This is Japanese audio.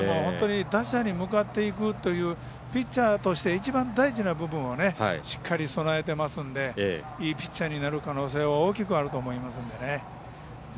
打者に向かっていくというピッチャーとして一番大事な部分をしっかり備えていますのでいいピッチャーになる可能性大きくあると思いますので。